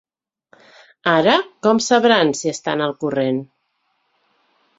Ara, com sabran si estan al corrent?